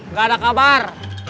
nggak ada kabar